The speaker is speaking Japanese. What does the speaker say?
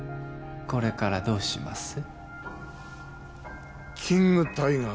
これからどうします？